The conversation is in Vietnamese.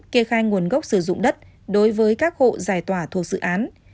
kê khai nguồn gốc sử dụng đất đối với các hộ giải tỏa thuộc dự án